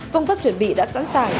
công tác chuẩn bị đã sẵn sàng